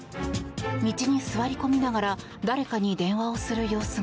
道に座り込みながら誰かに電話をする様子が。